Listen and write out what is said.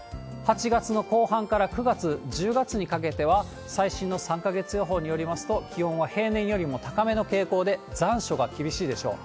８月の後半から９月、１０月にかけては、最新の３か月予報によりますと、気温は平年よりも高めの傾向で、残暑が厳しいでしょう。